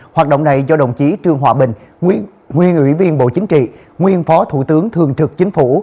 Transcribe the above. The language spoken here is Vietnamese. hoạt động này do đồng chí trương hòa bình nguyên ủy viên bộ chính trị nguyên phó thủ tướng thường trực chính phủ